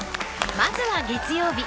まずは月曜日。